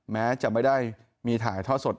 แม้จะไม่ได้มีถ่ายทอดสด